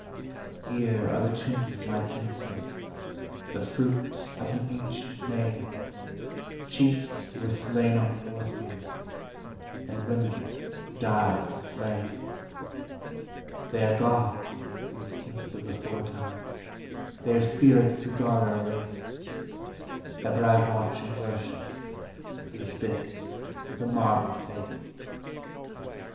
Here are the tombs of my kinsfolk, the fruit of an ancient name, Chiefs who were slain on the war field, and women who died in flame; They are gods, these kings of the foretime, they are spirits who guard our race: Ever I watch and worship; they sit with a marble face.